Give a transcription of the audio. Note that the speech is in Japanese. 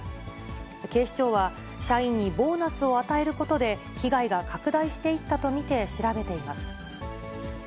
警視庁は、社員にボーナスを与えることで、被害が拡大していったと見て調べています。